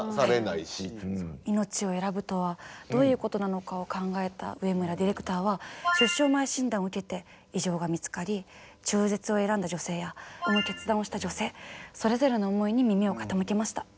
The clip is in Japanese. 命を選ぶとはどういうことなのかを考えた植村ディレクターは出生前診断を受けて異常が見つかり中絶を選んだ女性や産む決断をした女性それぞれの思いに耳を傾けました。